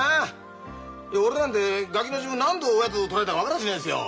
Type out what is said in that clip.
俺なんてガキの時分何度おやつ取られたか分かりゃしないっすよ。